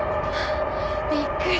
びっくり。